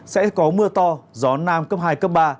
sẽ có mưa to gió nam cấp hai ba